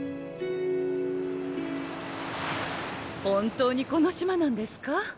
本当にこの島なんですか？